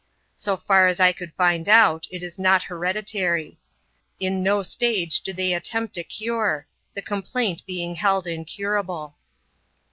So far as I could find out, it is not hereditary. In no stage do they attempt a cure ; the complaint being held incurable.